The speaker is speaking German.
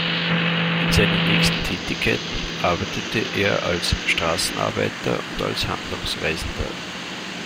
In seinen nächsten Tätigkeiten arbeitete er als Straßenarbeiter und als Handlungsreisender.